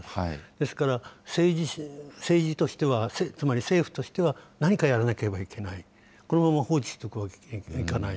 ですから政治としては、つまり政府としては、何かやらなければいけない、このまま放置しておくわけにはいかない。